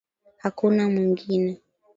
Hakuna mwingine